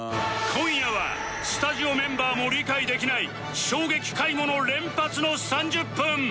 今夜はスタジオメンバーも理解できない衝撃買い物連発の３０分！